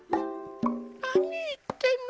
なにいってんの？